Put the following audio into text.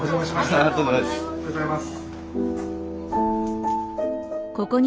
ありがとうございます。